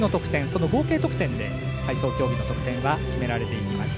その合計得点で体操競技の得点は構成されます。